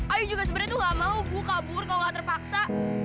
ayu juga sebenernya tuh gak mau bu kabur kalo gak terpaksa